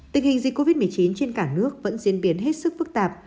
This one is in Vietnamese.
tình hình dịch covid một mươi chín trên cả nước vẫn diễn biến hết sức phức tạp